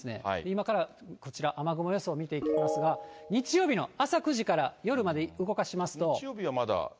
今からこちら、雨雲予想見ていきますが、日曜日の朝９時から夜まで動かしますと。